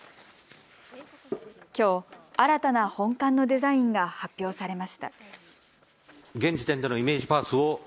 きょう、新たな本館のデザインが発表されました。